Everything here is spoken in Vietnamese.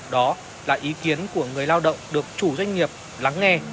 đó là ý kiến của người lao động được chủ doanh nghiệp lắng nghe